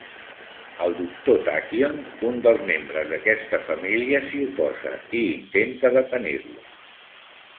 El doctor Tachyon, un dels membres d'aquesta família, s'hi oposa i intenta detenir-los.